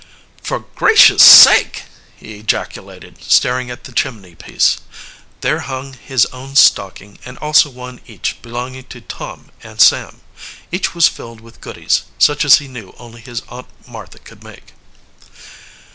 "For gracious' sake!" he ejaculated, staring at the chimney piece. "There hung his own stocking and also one each belonging to Tom and Sam. Each was filled with goodies such as he knew only his Aunt Martha could make.